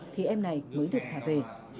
thì em này mới được thả về